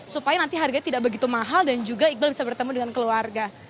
supaya nanti harganya tidak begitu mahal dan juga iqbal bisa bertemu dengan keluarga